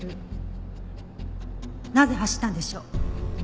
なぜ走ったんでしょう？